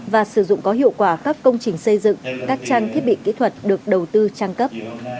và sử dụng có hiệu quả các công trình xây dựng các trang thiết bị kỹ thuật được đầu tư trang cấp